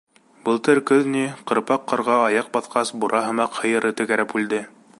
Былтыр көҙ ни, ҡырпаҡ ҡарға аяҡ баҫҡас, бура һымаҡ һыйыры тәгәрәп үлде.